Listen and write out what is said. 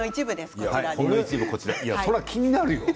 これは気になるよ。